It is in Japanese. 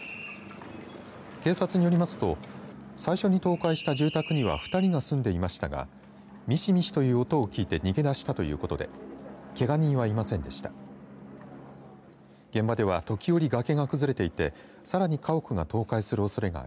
警察によりますと最初に倒壊した住宅には２人が住んでいましたがミシミシという音を聞いて逃げ出したということでけが人はいませんでした。